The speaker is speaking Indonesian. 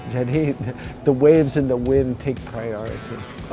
jadi perang dan udara memilih prioritas